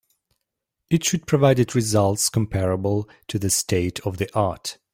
It should provided results comparable to the state of the art.